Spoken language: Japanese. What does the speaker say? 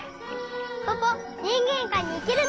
ポポにんげんかいにいけるね！